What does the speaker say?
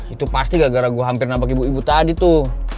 itu pasti gara gara gue hampir nampak ibu ibu tadi tuh